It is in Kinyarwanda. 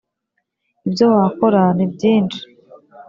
Ibyo wakora ni byinshi